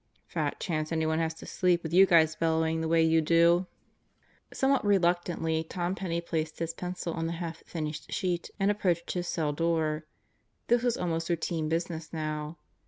"Fat chance anyone has to sleep with you guys bellowing the way you do." 77 78 God Goes to Murderer's Row Somewhat reluctantly Tom Penney placed his pencil on the half finished sheet and approached his cell door. This was almost routine business now.